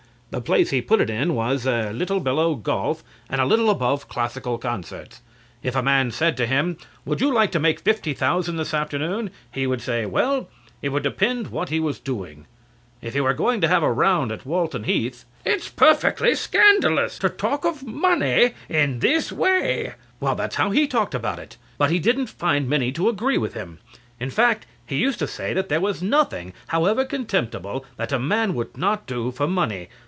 The place he put it in was er a little below golf and a little above classical concerts. If a man said to him, "Would you like to make fifty thousand this afternoon?" he would say well, it would depend what he was doing. If he were going to have a round at Walton Heath CRAWSHAW. It's perfectly scandalous to talk of money in this way. CLIFTON. Well, that's how he talked about it. But he didn't find many to agree with him. In fact, he used to say that there was nothing, however contemptible, that a man would not do for money.